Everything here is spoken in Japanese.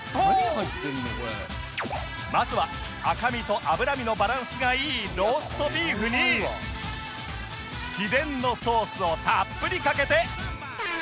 まずは赤身と脂身のバランスがいいローストビーフに秘伝のソースをたっぷりかけて